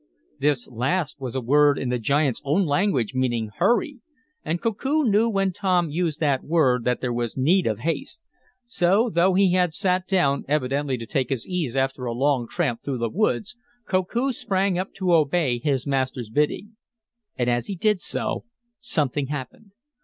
This last was a word in the giant's own language, meaning "hurry." And Koku knew when Tom used that word that there was need of haste. So, though he had sat down, evidently to take his ease after a long tramp through the woods, Koku sprang up to obey his master's bidding. And, as he did so, something happened.